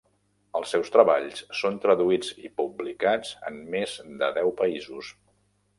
Els seus treballs són traduïts i publicats en més de deu països.